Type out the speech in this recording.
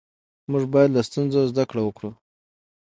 موږ باید له ستونزو زده کړه وکړو